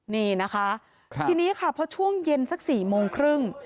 นี่นะคะทีนี้ค่ะพอช่วงเย็นสัก๔โมงครึ่ง